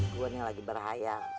gue nih lagi berhaya